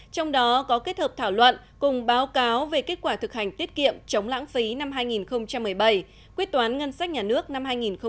trong đó có kết hợp thảo luận cùng báo cáo về kết quả thực hành tiết kiệm chống lãng phí năm hai nghìn một mươi bảy quyết toán ngân sách nhà nước năm hai nghìn một mươi bảy